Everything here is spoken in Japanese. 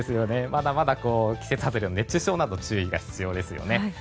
まだまだ季節外れの熱中症など注意が必要ですよね。